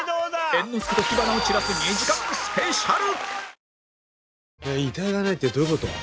猿之助と火花を散らす２時間スペシャル